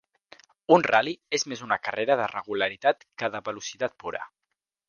Un ral·li és més una carrera de regularitat que de velocitat pura.